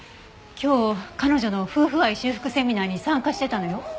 今日彼女の夫婦愛修復セミナーに参加してたのよ。